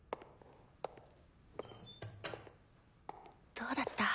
どうだった？